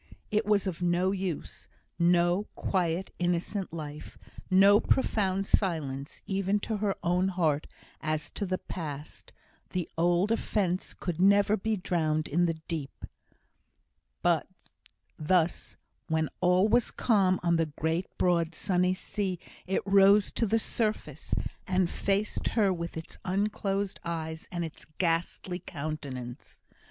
It was of no use; no quiet, innocent life no profound silence, even to her own heart, as to the Past; the old offence could never be drowned in the Deep; but thus, when all was calm on the great, broad, sunny sea, it rose to the surface, and faced her with its unclosed eyes and its ghastly countenance.